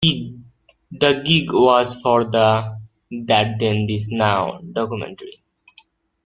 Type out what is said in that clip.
The gig was for the "That Then This Now" documentary.